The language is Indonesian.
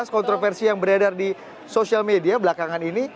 kontroversi yang beredar di sosial media belakangan ini